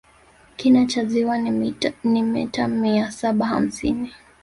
kina cha ziwa ni ni meta mia saba hamsini